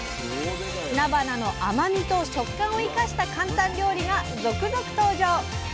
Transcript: なばなの甘みと食感を生かした簡単料理が続々登場。